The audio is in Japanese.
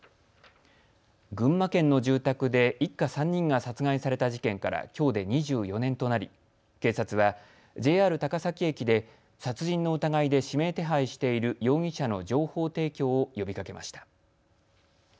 群馬県の住宅で一家３人が殺害された事件からきょうで２４年となり、警察はＪＲ高崎駅で殺人の疑いで指名手配している容疑者の情報提供を呼びかけました。